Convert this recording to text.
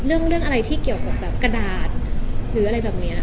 เรื่องอะไรที่เกี่ยวกับแบบกระดาษหรืออะไรแบบนี้